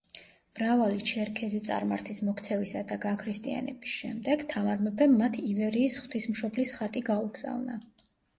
მრავალი ჩერქეზი წარმართის მოქცევისა და გაქრისტიანების შემდეგ თამარ მეფემ მათ ივერიის ღვთისმშობლის ხატი გაუგზავნა.